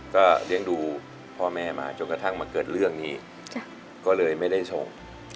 ก็เลี้ยงดูพ่อแม่มาจนกระทั่งมาเกิดเรื่องนี้ก็เลยไม่ได้ส่ง